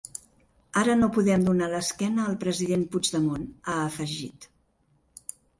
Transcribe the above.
Ara no podem donar l’esquena al president Puigdemont, ha afegit.